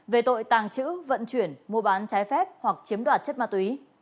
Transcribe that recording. về tội tàng trữ vận chuyển mua bán trái phép hoặc chiếm đoạt chất ma túy